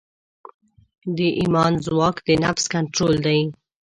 د ایمان ځواک د نفس کنټرول دی.